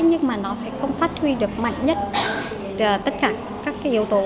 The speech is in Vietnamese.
nhưng mà nó sẽ không phát huy được mạnh nhất tất cả các yếu tố